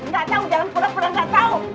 gak tahu jangan pura pura gak tahu